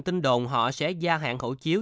tin đồn họ sẽ gia hạn hậu chiếu